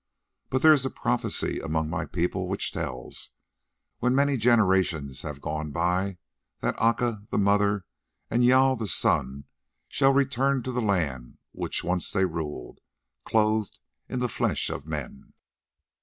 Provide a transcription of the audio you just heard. But there is a prophecy among my people which tells, when many generations have gone by, that Aca the mother, and Jâl the son, shall return to the land which once they ruled, clothed in the flesh of men.